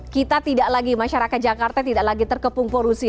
kita tidak lagi masyarakat jakarta tidak lagi terkepung polusi